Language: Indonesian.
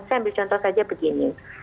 saya ambil contoh saja begini